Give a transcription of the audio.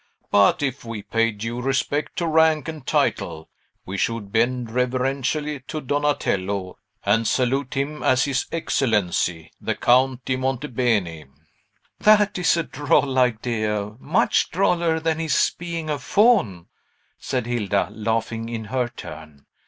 But, if we paid due respect to rank and title, we should bend reverentially to Donatello, and salute him as his Excellency the Count di Monte Beni." "That is a droll idea, much droller than his being a Faun!" said Hilda, laughing in her turn.